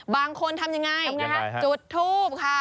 บางคนทำอย่างไรจุดทูปค่ะ